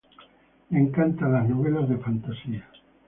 Le encantan las novelas de fantasía.